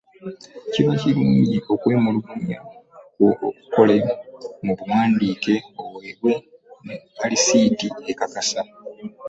Kiba kirungi okwemulugunya kwo okukole mu buwandiike oweebwe ne alisiita ekakasa.